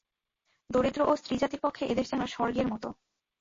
দরিদ্র ও স্ত্রীজাতির পক্ষে এদেশ যেন স্বর্গের মত।